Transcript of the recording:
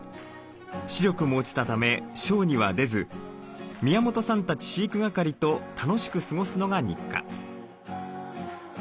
視力も落ちたためショーには出ず宮本さんたち飼育係と楽しく過ごすのが日課。